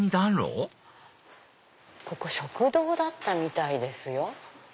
ここ食堂だったみたいですよ。